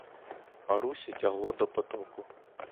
Марусю тягло до потоку.